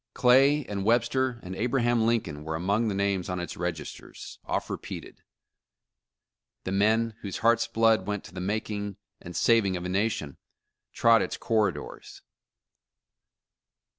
Clay and Webster and Abraham Lincoln were among the names on its registers, oft repeated. The men, whose heart 's blood went to the making and saving of a nation, 269 The Original John Jacob Astor trod its corridors.